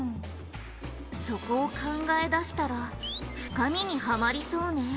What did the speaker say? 「そこを考え出したら深みにはまりそうね」